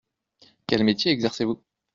Quel métier exercez-vous ?